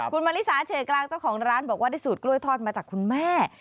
คุณมริสาเฉกลางเจ้าของร้านบอกว่าได้สูตรกล้วยทอดมาจากคุณแม่